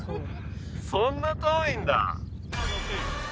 そんな遠いんだ。